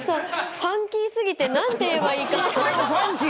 ファンキー過ぎて何て言えばいいか。